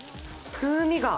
風味が。